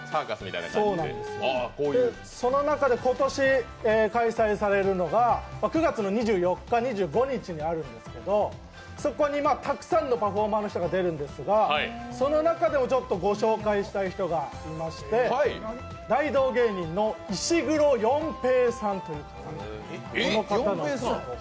その中で今年開催されるのが９月２４日、２５日にあるんですけど、そこにたくさんのパフォーマーの人が出るんですがその中でもご紹介したい人がいまして大道芸人の石黒ヨンペイさんという方なんです。